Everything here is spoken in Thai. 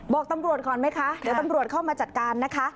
บอกตำรวจก่อนไหมคะเดี๋ยวตำรวจเข้ามาจัดการนะคะ